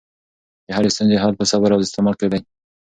د هرې ستونزې حل په صبر او استقامت کې دی.